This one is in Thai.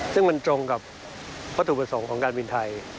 ซึ่งมันตรงกับวัตถุประสงค์ของการบินไทย